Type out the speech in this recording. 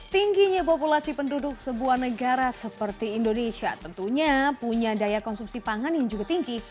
tingginya populasi penduduk sebuah negara seperti indonesia tentunya punya daya konsumsi pangan yang juga tinggi